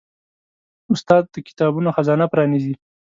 استاد د کتابونو خزانه پرانیزي.